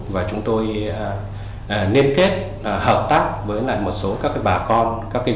và chúng tôi liên kết hợp tác với lại một số các bà con